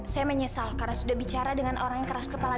saya menyesal karena sudah bicara dengan orang yang keras kepala